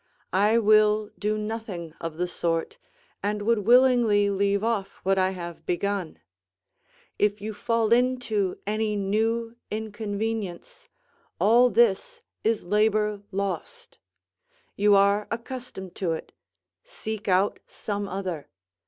I will do nothing of the sort, and would willingly leave off what I have begun. If you fall into any new inconvenience, all this is labour lost; you are accustomed to it; seek out some other.